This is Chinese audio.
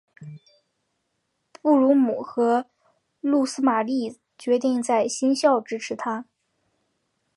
布卢姆和露丝玛丽决定在新校支持他。